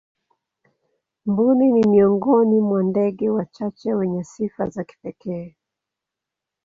mbuni ni miongoni mwa ndege wachache wenye sifa za kipekee